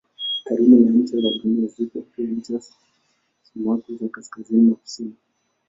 Karibu na ncha za Dunia ziko pia ncha sumaku za kaskazini na kusini.